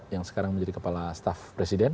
yang sekarang menjadi kepala staff presiden